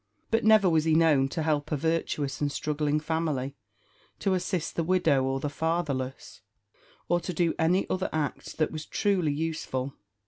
But never was he known to help a virtuous and struggling family to assist the widow or the fatherless, or to do any other act that was truly useful.